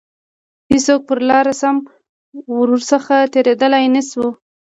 هیڅوک پر لاره سم ورڅخه تیریدلای نه شو.